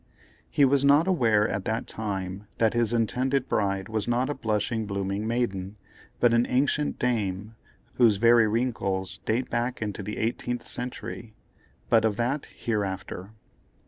He was not aware, at that time, that his intended bride was not a blushing blooming maiden, but an ancient dame, whose very wrinkles date back into the eighteenth century. But of that hereafter.